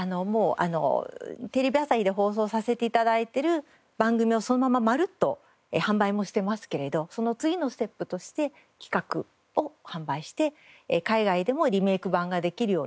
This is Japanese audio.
テレビ朝日で放送させて頂いている番組をそのまままるっと販売もしてますけれどその次のステップとして企画を販売して海外でもリメイク版ができるように。